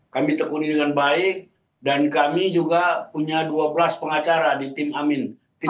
kami tekuni dengan baik dan kami juga punya dua belas pengacara di tim amin